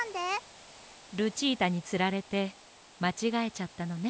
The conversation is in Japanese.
ルチータにつられてまちがえちゃったのね。